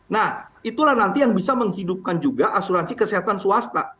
nah itulah nanti yang bisa menghidupkan juga asuransi kesehatan swasta